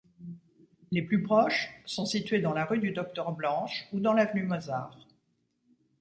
Les plus proches sont situés dans la rue du Docteur-Blanche ou dans l'avenue Mozart.